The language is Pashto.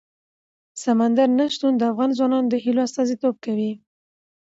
سمندر نه شتون د افغان ځوانانو د هیلو استازیتوب کوي.